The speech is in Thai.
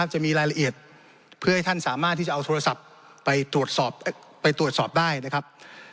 จะมีรายละเอียดเพื่อให้ท่านสามารถที่จะเอาโทรศัพท์ไปตรวจสอบไปตรวจสอบได้นะครับ